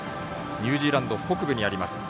ニュージーランド北部にあります